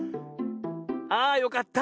あよかった。